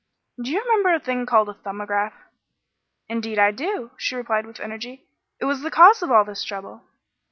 "Do you remember a thing called a 'Thumbograph'?" "Indeed I do," she replied with energy. "It was the cause of all this trouble."